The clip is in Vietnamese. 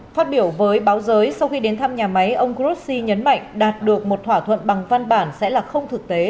phát biểu với báo giới sau khi đến thăm nhà máy ông grossi nhấn mạnh đạt được một thỏa thuận bằng văn bản sẽ là không thực tế